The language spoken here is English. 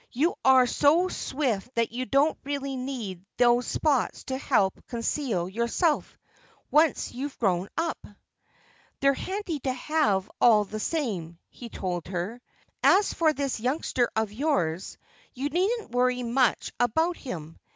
"You are so swift that you don't really need those spots to help conceal yourself, once you're grown up." "They're handy to have, all the same," he told her. "And as for this youngster of yours, you needn't worry much about him.